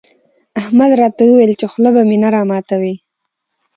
احمد راته وويل چې خوله به مې نه راماتوې.